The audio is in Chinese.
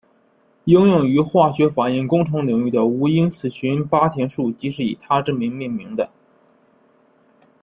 应用于化学反应工程领域的无因次群八田数即是以他之名命名的。